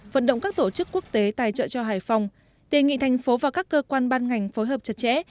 vận động các tổ chức quốc tế tài trợ cho hải phòng đề nghị thành phố và các cơ quan ban ngành phối hợp chặt chẽ